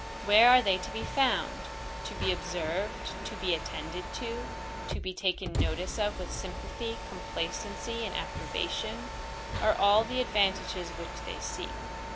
Where are they to be found? "To be observed, to be attended to, to be taken notice of with sympathy, complacency, and approbation, are all the advantages which they seek."